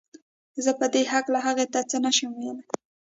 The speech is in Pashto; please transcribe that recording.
زه په دې هکله هغې ته څه نه شم ويلی